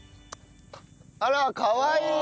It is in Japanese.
あらかわいい！